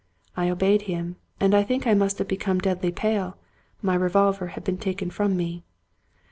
I obeyed him, and I think I must have become deadly pale. My revolver had been taken from me.